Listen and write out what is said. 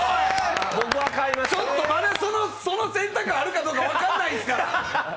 ちょっと、まだその選択肢あるかどうか分かんないですから！